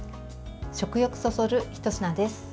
食欲そそるひと品です。